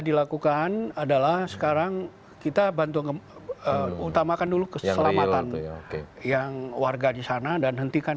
dilakukan adalah sekarang kita bantu utamakan dulu keselamatan yang warga di sana dan hentikan